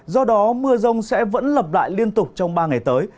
do đó mưa rông sẽ vẫn lặp lại liên tục trong ba ngày tới